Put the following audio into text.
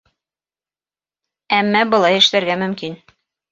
— Әммә былай эшләргә мөмкин.